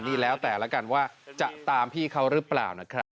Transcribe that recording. นี่แล้วแต่ละกันว่าจะตามพี่เขาหรือเปล่านะครับ